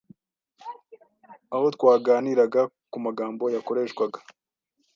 aho twaganiraga ku magambo yakoreshwaga